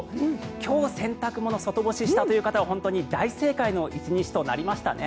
今日、洗濯物を外干ししたという方は大正解の１日となりましたね。